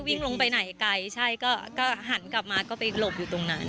วิ่งลงไปไหนไกลใช่ก็หันกลับมาก็ไปหลบอยู่ตรงนั้น